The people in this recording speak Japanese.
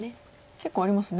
結構ありますね。